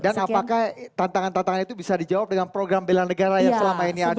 dan apakah tantangan tantangan itu bisa dijawab dengan program belan negara yang selama ini ada